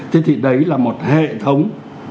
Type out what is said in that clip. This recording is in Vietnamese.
thế thì đấy là một hệ thống